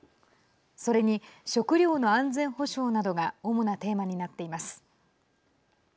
それに、食料の安全保障などが主なテーマになっています。